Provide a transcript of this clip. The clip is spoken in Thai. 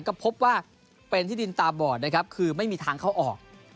ก็พบว่าเป็นที่ดินตาบอดนะครับคือไม่มีทางเข้าออก